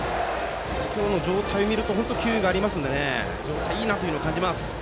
今日の状態を見ると非常に球威がありますので状態がいいなというのを感じます。